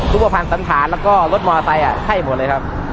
รูปภัณฑ์สันธารแล้วก็รถมอเตอร์ให้หมดเลยครับ